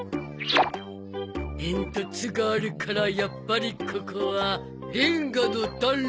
煙突があるからやっぱりここはレンガの暖炉。